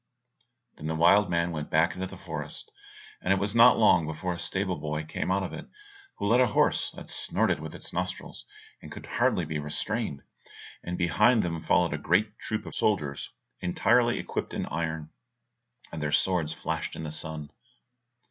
Then the wild man went back into the forest, and it was not long before a stable boy came out of it, who led a horse that snorted with its nostrils, and could hardly be restrained, and behind them followed a great troop of soldiers entirely equipped in iron, and their swords flashed in the sun.